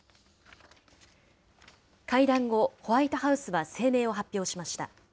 会談後、ホワイトハウスは声明を発表しました。